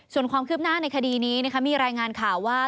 ส่วนความคืบหน้าในคดีนี้มีรายงานข่าวว่า